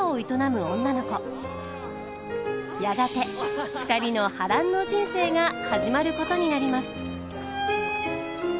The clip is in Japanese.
やがて２人の波乱の人生が始まることになります。